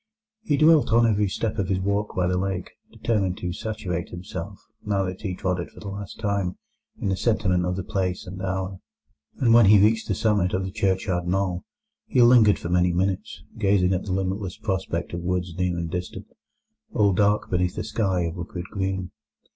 He dwelt on every step of his walk by the lake, determined to saturate himself, now that he trod it for the last time, in the sentiment of the place and hour. And when he reached the summit of the churchyard knoll, he lingered for many minutes, gazing at the limitless prospect of woods near and distant, all dark beneath a sky of liquid green.